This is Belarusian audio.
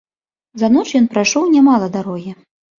За ноч ён прайшоў нямала дарогі.